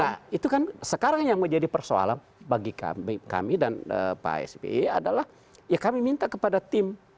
nah itu kan sekarang yang menjadi persoalan bagi kami dan pak sby adalah ya kami minta kepada tim